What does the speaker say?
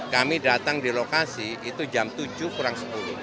kami datang di lokasi itu jam tujuh kurang sepuluh